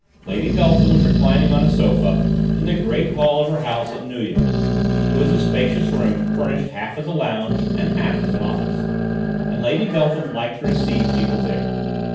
Lady Beltham was reclining on a sofa in the great hall of her house at Neuilly. It was a spacious room, furnished half as a lounge and half as an office, and Lady Beltham liked to receive people there.